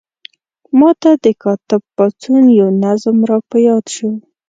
ما ته د کاتب پاڅون یو نظم را په یاد شو.